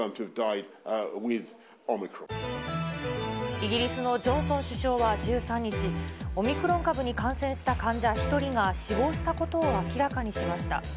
イギリスのジョンソン首相は１３日、オミクロン株に感染した患者１人が死亡したことを明らかにしました。